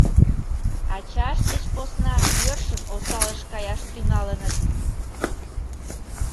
— Ачашт деч посна йӧршын осалыш каяш тӱҥалыныт...